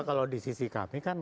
kalau di sisi kami